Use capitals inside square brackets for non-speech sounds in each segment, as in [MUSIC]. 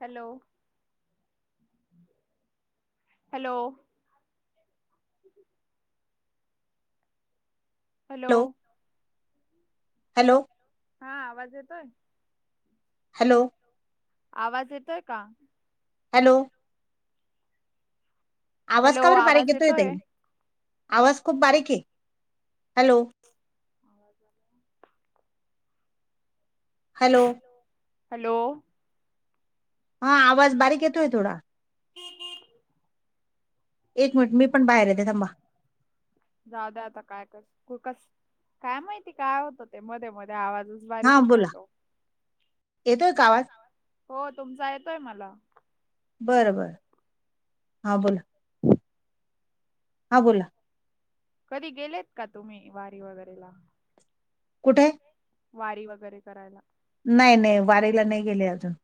Hello hello hello लो hello हा आवाज येतोय. हॅलो आवाज येतोय का? हॅलो आवाज का बर बारीक येतोय ताई, आवाज खूप बारीक ये हॅलो आवाज आल्या हॅलो हॅलो हा आवाज बारीक येतोय थोडा. एक मिनिट मी पण बाहेर येते थांबा. जाऊ द्या आता काय कर खूकच काय माहिती काय होतं ते मध्ये मध्ये आवाजच बारीक हा होऊन बोला जातो. येतोय का आवाज? हो तुमचा येतोय मला बरं बरं हां बोला हां बोला कधी गेलेत का तुम्ही वारी वगैरेला कुठे? वारी वगैरे करायला नाय नाय वारी ला नाय गेले अजून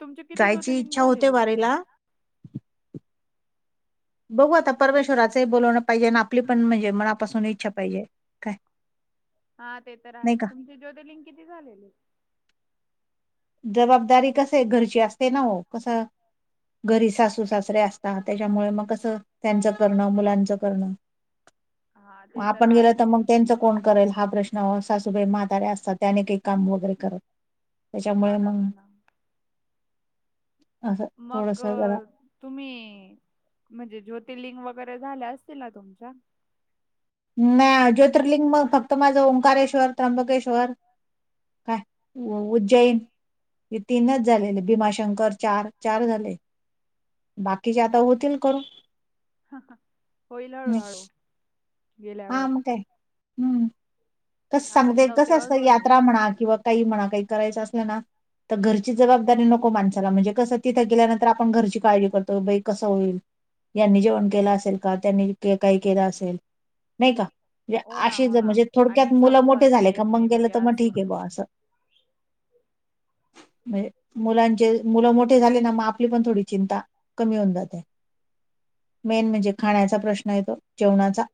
तुमचे किती जायची ज्योतर्लिंंग इच्छा होते झालेले आहेत? वारीला बघू आता परमेश्वराचंही बोलवणं पाहिजे आणं आपली पण म्हणजे मनापासून इच्छा पाहिजे काय? हा ते तर नाही हाय का तुमचे ज्योतिलिंग किती झालेले. जबाबदारी कस आहे? घरची असते ना हो कसं? घरी सासूर सासरे असतात. त्याच्यामुळे मग कसं? त्यांचं करणं. मुलांचं करणं. हा म ते आपण गेला आहेच. तर मग- त्यांच कोण करेल? हा प्रश्न. सासूबाई म्हाताऱ्या असतात. त्या नाही काही काम वगैरे करत. हा त्याच्यामुळे ना. मग हा ना. असं थोडस मग- जरा तुम्ही म्हणजे ज्योतिर्लिंग वगैरे झाले असतील ना तुमच? नाही. ज्योतिर्लिंग मग फक्त माझं ओंकारेश्वर, त्र्यंबकेश्वर. काय उज्जैन. हे तीनच झालेय. भीमाशंकर चार. चार झाले. बाकीचे आता होतील करू. होईल हळूहळू हा. गेल्यावर म काय? हम्म. कस आपण सांगते. जाऊ कसं तेव्हाच असतं होईल. यात्रा म्हणा किंवा काही म्हणा काही करायचं असल ना? तर घरची जबाबदारी नको माणसाला. म्हणजे कसं? तिथं गेल्यानंतर आपण घरची काळजी करतो. बाई कसं होईल? ह्यांनी जेवण केलं असेल का? त्यांनी काही केलं असेल नाही का? म्हणजे हो ना अशे हो ज ना म्हणजे थोडक्यात आणि मुलं सासू मोठे सासरे झाले का आहेत मग गेलं नेमके तर मग ठीक अजून आहे. ब्वा असं. [INAUDIBLE] म्हणजे मुलांचे, मुलं मोठे झाले ना? मग आपली पण थोडी चिंता- कमी होऊन जाते. मेन म्हणजे खाण्याचा प्रश्न येतो जेवणाचा.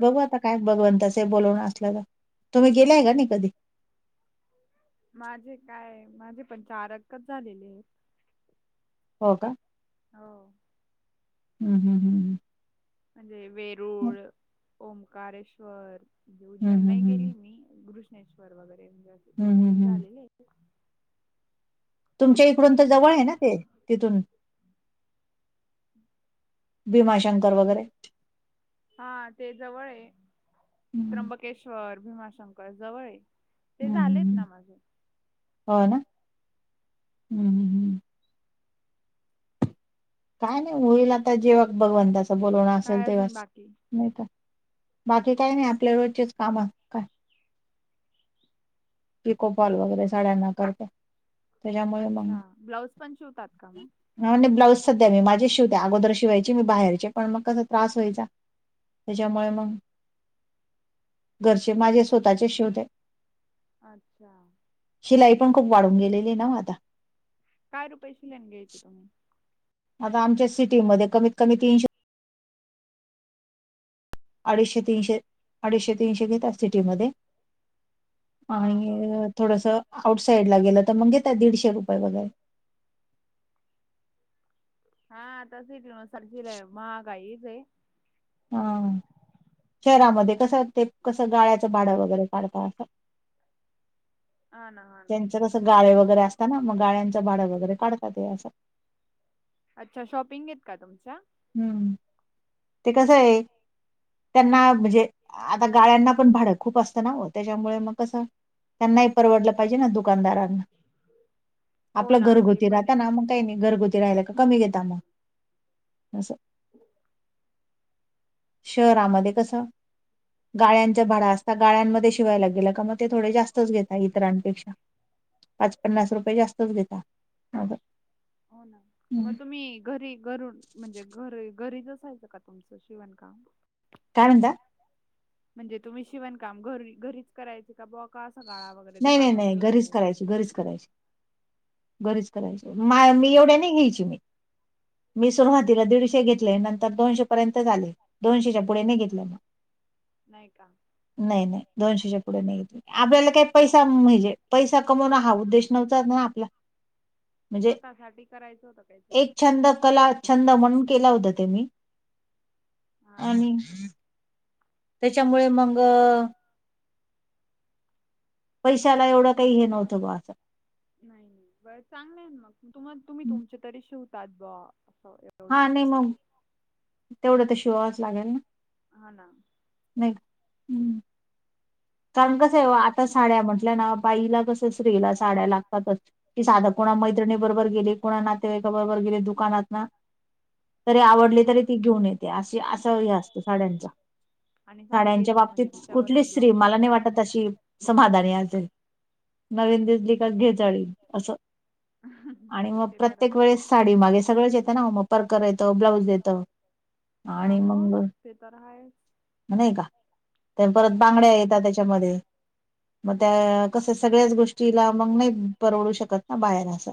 बघू आता काय भगवंताच बोलावणं असलं तर. तुम्ही गेलाय का नाही कधी? माझे काय? माझे पण चारच [UNINTELLIGIBLE] झालेलेय. हो का? हो. हम्. हम. हम्. म्हणजे वेरुळ, ओंकारेश्वर. भु हं, जन हं, नाही गेलीए हं. मी. -नेश्वर वगैरे म्हणजे असे हं, दोन हं, तीन हं. झालेलेए. तुमच्या इकडून तर जवळ आहे ना ते? तिथून. भीमाशंकर वगैरे? हा. ते जवळ आहे. हं. त्र्यंबकेश्वर, भीमाशंकर. जवळ ए. हं, ते हं. झालेत हं. ना माझे. हो ना? हं. हं. काय नाही. होईल आता जेव्हा भगवंताचं बोलवणं काय असेल अजून तेव्हाच. बाकी नाही का? बाकी काही नाही आपले रोजचेच कामं. काय पिको फॉल वगैरे साडयांना करते. त्याच्यामुळे अच्छा. ब्लाऊज पण शिवतात का मग? ह नाही ब्लाउज सध्या मी माझेच शिवते. अगोदर शिवायची मी बाहेरचे पण मग कस त्रास व्हायचा. त्याच्यामुळे मंग, घरचे माझे स्वतःचेच शिवते. अच्छा. शिलाई पण खूप वाढून गेलेली ए ना हो आता? काय [UNINTELLIGIBLE] तुम्ही? आता आमच्या सिटीमध्ये कमीत कमी तीनशे- अडीचशे तीनशे. अडीचशे तीनशे घेतात सिटी मध्ये. हा हा आणि थोडस, आउट साइड ला गेलं तर, मग घेता दीडशे रुपये वगैरे. हा. तसच ना म [UNINTELLIGIBLE] महागाईच आहे. हा. शहरामध्ये कसं ते कसं गाळ्याचं भाडं वगैरे काढता असं. आ ना. हा ना त्यांच कसं गाळे वगैरे असता ना, मग गाळ्यांचं भाडं वगैरे काढतात असं. अच्छा शॉपिंग येत का तुमच्या? हुं. ते कसं आहे? त्यांना म्हणजे आता गाळ्यांना पण भाडं खूप असतं ना ओ, त्याच्यामुळे मग कसं? त्यांनाही परवडलं पाहिजे ना दुकानदारांना, हो आपलं ना ते घरगुती पण राहता आहे ना मग. काही नाही घरगुती राहियला का, कमी घेता मग. आसं. [INAUDIBLE] शहरामध्ये कसं? गाळ्यांच्या भाडा असता, गाळ्यांमध्ये शिवायला गेल का मग ते थोडे जास्तच घेता इतरांपेक्षा, पाच पन्नास रुपये जास्त च घेता माग. हो ना म तुम्ही घरी घरुन म्हणजे घरी घरीच असायचं का तुमचं शिवणकाम? काय म्हणता? म्हणजे तुम्ही शिवणकाम घरी घरीच करायचे का बॉक् का आस गाळा? वगैरे नाही नाही दुकान नाही वगैरे होतं घरीच काही? करायची, घरीच करायची. घरीच करायची, मा मी एवढ्या नाही घ्यायची मी. मी सुरुवातीला दीडशे घेतले, नंतर दोनशे पर्यंत झाले. दोनशेच्या पुढे नाही घेतलं मग. नाही का? नाही नाही दोनशेच्या पुढे नाही घेतले. आपल्याला काय पैसा म्हणजे पैसा कमवण हा उद्देश नव्हताच ना आपला. [INAUDIBLE] म्हणजे स्वतःसाठी करायचं होतं काहीतरी? एक छंद, कला छंद म्हणून केला होत ते मी. [INAUDIBLE] हा का आणि तेच्यामुळे मंग. पैशाला एवढं काही, हे नव्हतं बा आसं. नाही नाही बर चांगलंय ना मग, तुम्हा तुम्ही तुमचे तरी शिवतात बा अस. हा नाही मग, तेवढं तर शिवावच लागेल ना. हा ना. नाही का? हूम. काम कसं हाय ओ, आता साड्या म्हटल्या ना बाईला कस त स्त्रीला साड्या लागतातच, की साध कोणा मैत्रीणी बरोबर गेली कोणा नातेवायका बरोबर गेली दुकानात ना तरी आवडली तरी ती घेऊन येते, आ आस असं हे असतं साड्यांच. आणि साडी साड्यांच्या घेतली म्हणजे बाबतीत तिच्यावरच कुठलीच स्त्री ब्लाऊज मला नाही शिवणं वाटत अशी समाधानी असेल, नवीन दिसली की घे साडी, असं आणि मग ते तर आहे प्रत्येक वेळेस साडी मागे सगळंच येतना मग. परकर येत, ब्लाऊज येत हा आणि मंग मग ते तर आहेच नाही का? परत बांगड्या येतात त्याच्यामध्ये म त्या कस सगळ्याच गोष्टीला मग नाही परवडू शकत ना बाहेर आसं.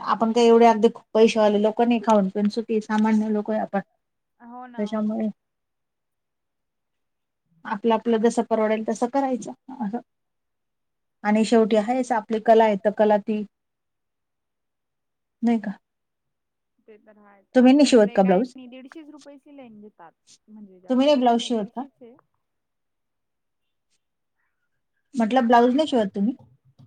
आपण काय एवढे अगदी खुप पैसे वाले लोक नाही, खाऊन पिउन सुखी सामान्य लोक हाये आपन? हो ना. हो ना. आपलं आपलं जसं परवडेल तसं करायचं असं. आणि शेवटी आहेच. आपली कला आहे, तर कला ती नाही का. ते तर आहे. तुम्ही नाही शिवत आमच्याकडे का काही ब्लाऊज नाही दीडशेच रुपये शिलाई घेतात. म्हणजे तुम्ही जास्त नाही ब्लाऊज आहे. शिवत का दीडशेच आहे. म्हटलं ब्लाऊज नाही शिवत तुम्ही?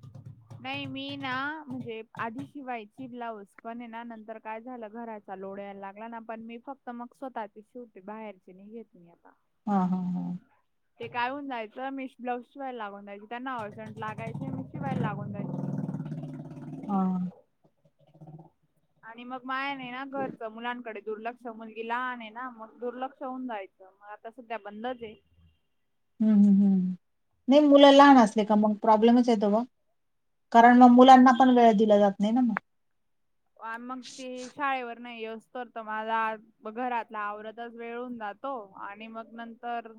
[INAUDIBLE] नाही मी ना म्हणजे आधी शिवायची ब्लाऊज पण आहे ना नंतर काय झालं घरात लोड यायला लागला ना. पण मी फक्त मग स्वतःचीच शिवते बाहेरची नाही घेत मी आता. हां हां हां. ते काय होऊन जायचं. मीश ब्लाउज शिवाय लावून राहिली त्यांना अर्जंट लागायची मि शिवायला लागून जायची. हा. आणि मग माया नाही ना. घरच मुलांकडे दुर्लक्ष मुलगी लहान आहे ना. मग दुर्लक्ष होऊन जायचं मग आता सध्या बंदच आहे. हम् हम हम् नाही मुलं लहान असले का मग प्रॉब्लेमच येतो गं. कारण मग तेच ना. मुलांना पण वेळ दिला जात नाही ना मग, आम्ही मग ते शाळेवरन येईस्तोवर तुम्हाला मग घरातला आवरतच वेळ होऊन जातो आणि मग नंतर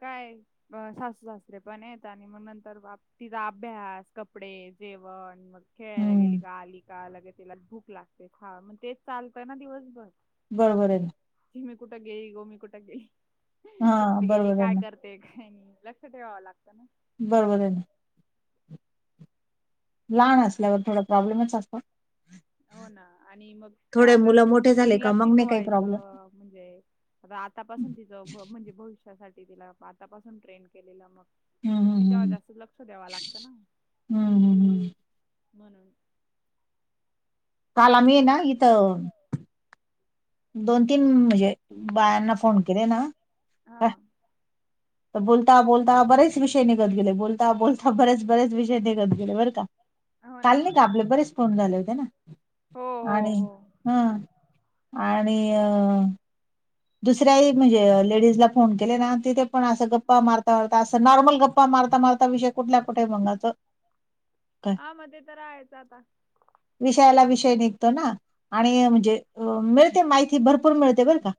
काय अ सासू सासरे पण आहेत. आणि मग नंतर बा तिचा अभ्यास, कपडे, जेवण मग खेळायला गेली हम्म का. आली का. लगेच तीला भूक लागते. हा मग तेच चालतय ना दिवसभर. बरोबर आहे. की मी कुठं गेली. गो मी कुठं गेली. हा कुठे गेली बरोबर आहे काय ना कर ते का लक्ष ठेवावं लागतं ना. बरोबर आहे ना. लहान असल्यावर थोडा प्रॉब्लेमच असतो. हो ना आणि मग थोडे आता मुलं मोठे झाले तिला का मग नाही काही प्रॉब्लेम. शिकवायचं म्हणजे, आता आतापासून तिचं म्हणजे भविष्यासाठी तिला आतापासून ट्रेन केलेलं मग, तर हम्म तिच्यावर हम्म जास्त लक्ष द्याव लागतं ना. हम्म हम्म हम्म म्हणून, काल आम्ही ना इथं. दोन तीन म्हणजे बायांना फोन केले ना. हा. बोलता बोलता बरेच विषय निघत गेले. बोलता बोलता बरेच बरेच विषय निघत गेले बरं का. हो ना काल हो नाही का. ना आपले बरेच फोन झाले होते ना. हो हो आणि हो हम आणि अ दुसऱ्याही म्हणजे लेडीजला फोन केले ना. तिथे पण असं गप्पा मारता मारता असं नॉर्मल गप्पा मारता मारता विषय कुठल्या कुठे मग अस. हा मग ते तर हायचं आता. विषयाला विषय निघतो ना. आणि म्हणजे, मिळते माहिती भरपूर मिळते बर का.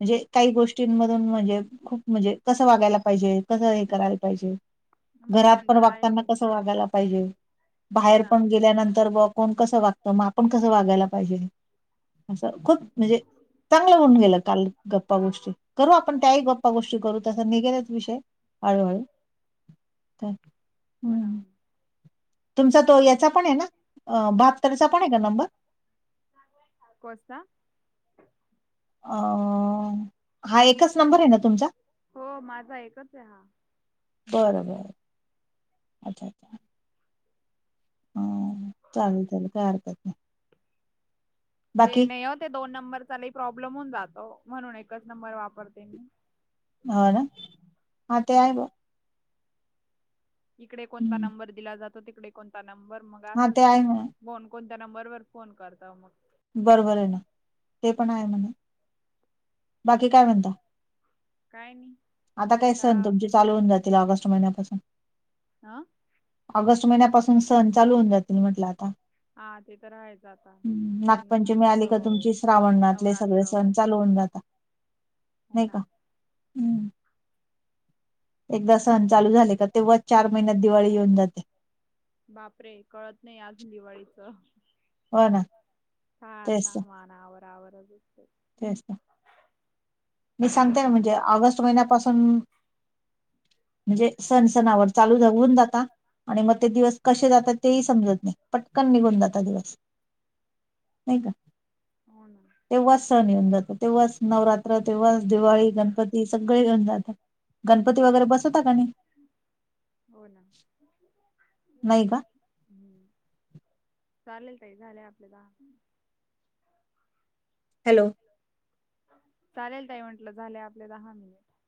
म्हणजे काही गोष्टींमधून म्हणजे खूप म्हणजे, कसं वागायला पाहिजे. कसं हे करायला पाहिजे. घरात म्हणून पण तर आहे वागताना ते कसं वागायला पाहिजे. हो बाहेर ना पण गेल्यानंतर ब कोण कस वाग त, तर मग आपण कसं वागायला पाहिजे. असं खूप म्हणजे चांगलं होऊन गेलं. काल गप्पा गोष्टी. करू आपण त्याही गप्पा गोष्टी करू तसा निघेलाच विषय. अगं बाई, तर. हो ना. तुमचा तो याचा पण आहे ना, बहात्तर चा पण आहे का नंबर? कोस्ता? अअअअ. हो माझा एकच आहे हा. बरं, बरं अच्छा -अच्छा. ह, म चालेल- चालेल काय हरकत नाही. ते बाकी नाही हो, ते दोन नंबरचा लई प्रॉब्लेम होऊन जातो. म्हणून एकच नंबर वापरते मी. हा ना, हा ते आहे ब. इकडे कोणता नंबर दिला जातो, तिकडे कोणता नंबर मग हा असंच ते आहे म्हणा कोण कोणत्या नंबरवर फोन करत मग. बरोबर आहे ना, ते पण आहे म्हणा, बाकी काय म्हणता? काय आणि? आता काय सण, तुमचे चालु होऊन जातील ऑगस्ट महिन्यापासून आ. ऑगस्ट महिन्यापासून सण चालू होऊन जातील म्हटलं आता. हा ते तर राहायचं आता हम्म, नागपंचमी आली का गणेशोत्सव तुमची श्रावणातले सगळे नवरात्र सण चालु होऊन जाता. हो नाही ना का? एकदा सण चालू झाले का, तेव्हा चार महिन्यात दिवाळी येऊन जाते. बापरे! कळत नाही आजून दिवाळीच, हो ना फार तेच तर, सामान आवारा-आवर नुसतं. तेच ते. मी सांगते ना म्हणजे, ऑगस्ट महिन्यापासून म्हणजे सण -सणावर चालू हूंन जाता, आणि मग ते दिवस, कसे जातात तेही समजत नाही. पटकन निघून जाता दिवस, नाही का? हो ना. तेव्हाच येऊन जात, तेव्हाच नवरात्र, तेव्हाच दिवाळी, गणपती सगळे येऊन जातात. गणपती वगैरे बसवता का नाही? हो ना. नाही का? हम्म, चालेल ताई, झालंय आपल कामं. हॅलो. चालेल ताई म्हटलं झालय आपले दहा मिनिट.